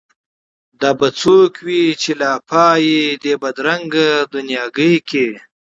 دا به څوک وي چي لا پايي دې بې بد رنګه دنیاګۍ کي